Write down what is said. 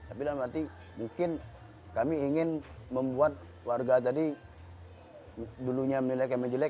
tapi itu berarti mungkin kami ingin membuat warga tadi dulunya menilai kami jelek